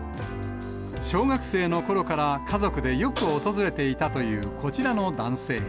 小学生のころから家族でよく訪れていたというこちらの男性。